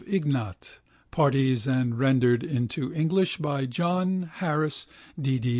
Ignat. Pardies and rendered into Engliſh by John Harris D. D.